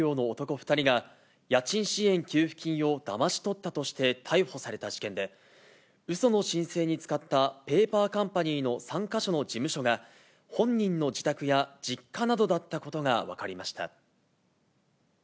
２人が、家賃支援給付金をだまし取ったとして逮捕された事件で、うその申請に使ったペーパーカンパニーの３か所の事務所が、本人の自宅や実家などだったことが分かりました。